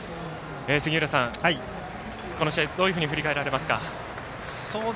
杉浦さん、この試合どういうふうに振り返られますか。